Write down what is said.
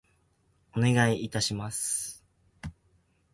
お願い致します。